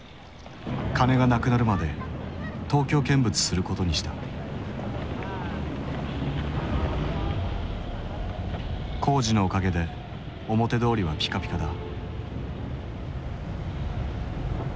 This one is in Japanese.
カネがなくなるまで東京見物することにした工事のおかげで表通りはピカピカだ